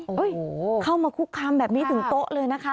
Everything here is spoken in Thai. เข้ามาคุกคามแบบนี้ถึงโต๊ะเลยนะคะ